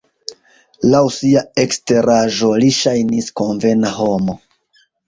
Laŭ sia eksteraĵo li ŝajnis konvena homo.